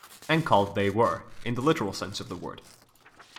And called they were, in the literal sense of the word.